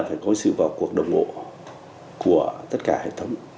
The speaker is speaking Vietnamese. phải có sự vào cuộc đồng bộ của tất cả hệ thống